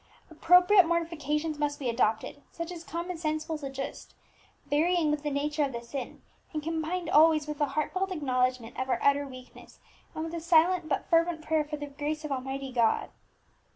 Appropriate mortifications must be adopted, such as common sense will suggest, varying with the nature of the sin, and combined always with a heartfelt acknowledgment of our utter weakness, and with a silent but fervent prayer for the grace of Almighty God....